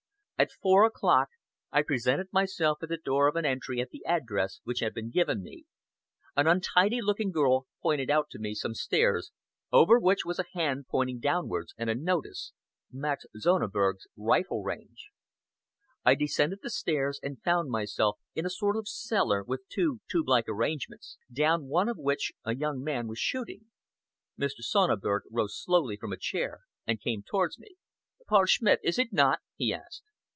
At four o'clock I presented myself at the door of an entry at the address which had been given me. An untidy looking girl pointed out to me some stairs, over which was a hand pointing downwards, and a notice "MAX SONNEBERG'S RIFLE RANGE." I descended the stairs, and found myself in a sort of cellar with two tubelike arrangements, down one of which a young man was shooting. Mr. Sonneberg rose slowly from a chair and came towards me. "Paul Schmidt, is it not?" he asked.